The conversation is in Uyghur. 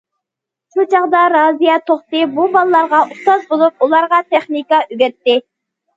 شۇ چاغدا رازىيە توختى بۇ بالىلارغا ئۇستاز بولۇپ، ئۇلارغا تېخنىكا ئۆگەتتى.